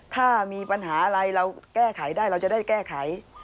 ถ้ามีปัญหาอะไรเราแก้ไขได้เราจะได้แก้ไข